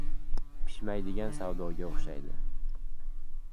— Pishmaydigan savdoga o‘xshaydi.